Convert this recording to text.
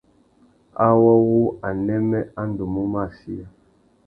Awô wu anêmê a ndú mú mù achiya.